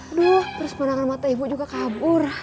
aduh terus menerangkan mata ibu juga kabur